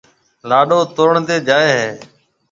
لاڏو تورڻ تيَ جائيَ ھيََََ